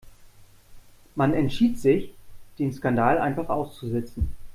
Man entschied sich, den Skandal einfach auszusitzen.